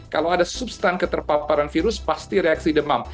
kalau ada substan keterpaparan virus pasti reaksi demam